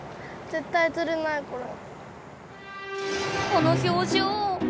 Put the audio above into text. この表情。